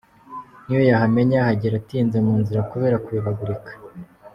Niyo yahamenya yahagera atinze mu nzira, kubera kuyobagurika.